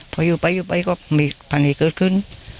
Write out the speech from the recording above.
พออยู่ไปก็มีภัณฑ์ให้เกิดขึ้น